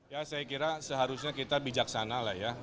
ya saya kira seharusnya kita bijaksana lah ya